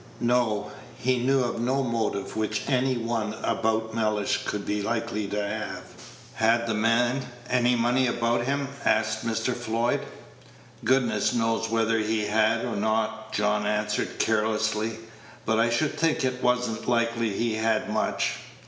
No; he knew of no motive which any one about Mellish could be likely to have. "Had the man any money about him?" asked Mr. Floyd. "Goodness knows whether he had or not," John answered, carelessly; "but I should think it was n't likely he had much.